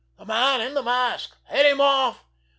The man in the mask! Head him off!